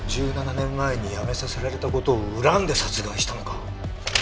１７年前に辞めさせられた事を恨んで殺害したのか？